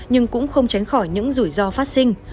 nhưng cũng không tránh khỏi những rủi ro phát sinh